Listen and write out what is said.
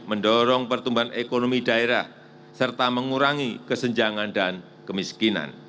mendorong pertumbuhan ekonomi daerah serta mengurangi kesenjangan dan kemiskinan